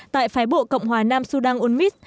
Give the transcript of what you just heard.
tại phái bộ cộng hòa nam sudan unmis